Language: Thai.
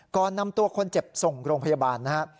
ก่อนนำตัวคนเจ็บส่งโรงพยาบาลนะครับ